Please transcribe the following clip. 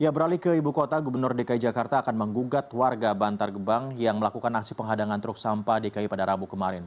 ya beralih ke ibu kota gubernur dki jakarta akan menggugat warga bantar gebang yang melakukan aksi penghadangan truk sampah dki pada rabu kemarin